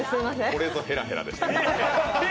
これぞヘラヘラでしたね。